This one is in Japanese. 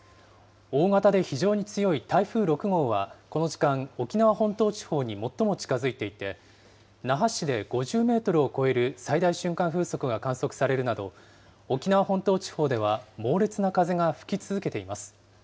大型で非常に強い台風６号は、この時間、沖縄本島地方に最も近づいていて、那覇市で５０メートルを超える最大瞬間風速が観測されるなど、沖縄本島地方では猛烈な風が吹き続けています。